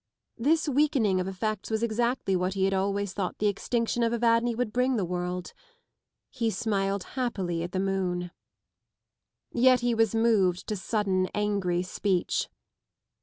This weakening of effects was exactly what he had always thought the extinction of Evadne would bring the world. He smiled happily at the moon. Yet he was moved to sudden angry speech.